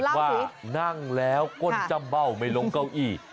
ว่านั่งแล้วก้นจำเบ้าไม่ลงเก้าอี้